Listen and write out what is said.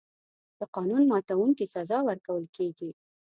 د قانون ماتونکي سزا ورکول کېږي.